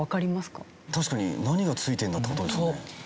確かに何が付いてんだ？って事ですよね。